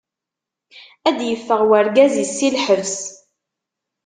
Ad d-yeffeɣ urgaz-is si lḥebs.